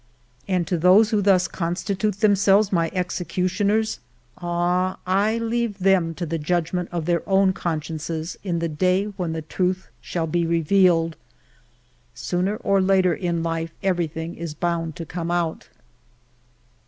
As to those who thus constitute themselves my executioners, ah ! I leave them to the judgment of their own consciences in the day when the truth shall be revealed. Sooner or later in life every thing is bound to come out.